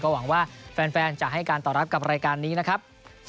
หวังว่าแฟนจะให้การตอบรับกับรายการนี้นะครับ